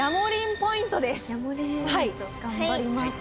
頑張ります。